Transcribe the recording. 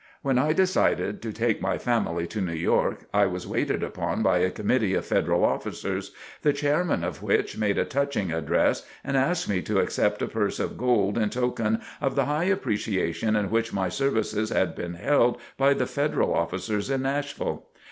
When I decided to take my family to New York, I was waited upon by a committee of Federal officers, the chairman of which made a touching address and asked me to accept a purse of gold in token of the high appreciation in which my services had been held by the Federal officers in Nashville.